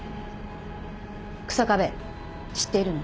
日下部知っているの？